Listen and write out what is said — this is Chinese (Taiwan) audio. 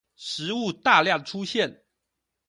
食物大量出現